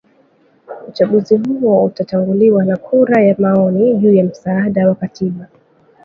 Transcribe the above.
Uchaguzi huo utatanguliwa na kura ya maoni juu ya msaada wa katiba